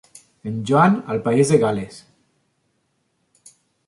En Joan al País de Gal·les.